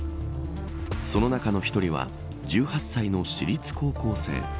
その中の１人は１８歳の私立高校生。